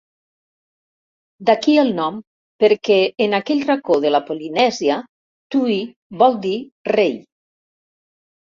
D'aquí el nom, perquè en aquell racó de la Polinèsia Tu'i vol dir rei.